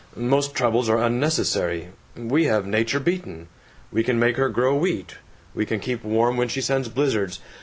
Most troubles are unnecessary. We have Nature beaten; we can make her grow wheat; we can keep warm when she sends blizzards.